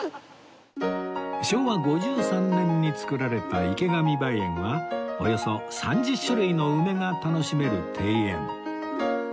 昭和５３年に造られた池上梅園はおよそ３０種類の梅が楽しめる庭園